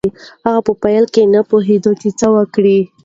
هغه په پیل کې نه پوهېده چې څه وکړي.